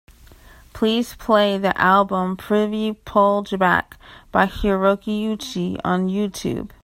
Please play the album Prvi Poljubac by Hiroki Uchi on Youtube.